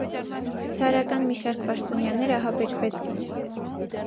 Ցարական մի շարք պաշտոնյաներ ահաբեկվեցին։